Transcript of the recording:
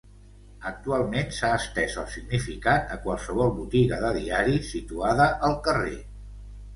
Actualment s’ha estès el significat a qualsevol botiga de diaris situada al carrer.